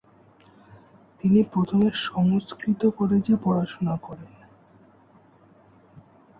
তিনি প্রথমে সংস্কৃত কলেজে পড়াশোনা করেন ।